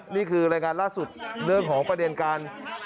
นี่คือรายงานล่าสุดเรื่องของประเด็นการ